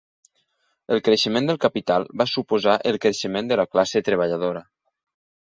El creixement del capital va suposar el creixement de la classe treballadora.